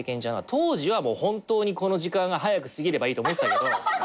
当時は本当にこの時間が早く過ぎればいいと思ってたけど。